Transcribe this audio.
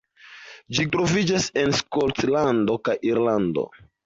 Ĝi troviĝas en Skotlando kaj Irlando.